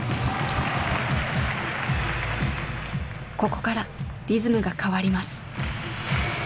ここからリズムが変わります。